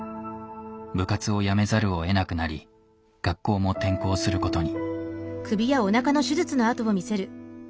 部活をやめざるをえなくなり学校も転校することに。